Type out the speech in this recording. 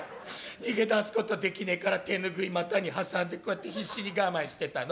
逃げ出すことできねえから手拭い股に挟んでこうやって必死に我慢してたの。